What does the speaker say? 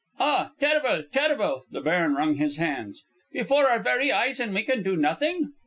"Ah! Terrible! terrible!" The baron wrung his hands. "Before our very eyes, and we can do nothing!